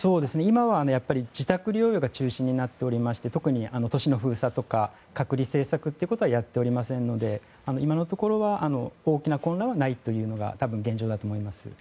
今は、自宅療養が中心となっておりまして特に都市の封鎖とか隔離政策はやっておりませんので今のところは大きな混乱はないというのが多分、現状だと思います。